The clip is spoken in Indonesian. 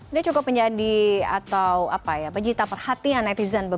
ini cukup menjadi atau apa ya bajita perhatian netizen